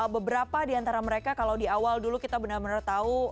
beberapa di antara mereka kalau di awal dulu kita benar benar tahu